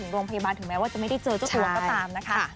โรงพยาบาลถึงแม้ว่าจะไม่ได้เจอเจ้าตัวก็ตามนะคะ